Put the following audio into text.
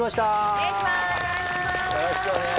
お願いします。